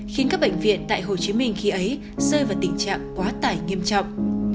khiến các bệnh viện tại hồ chí minh khi ấy rơi vào tình trạng quá tải nghiêm trọng